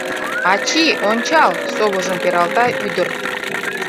— Ачи, ончал! — совыжым пералта ӱдыр.